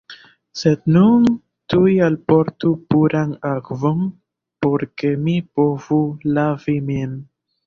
Sed nun tuj alportu puran akvon, por ke mi povu lavi min.